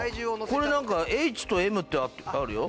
これなんかＨとＭってあるよ？